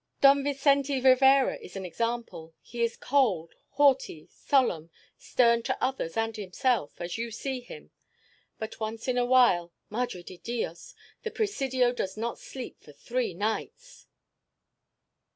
Don Vincente Rivera is an example; he is cold, haughty, solemn, stern to others and himself, as you see him; but once in a while Madre de Dios! The Presidio does not sleep for three nights!"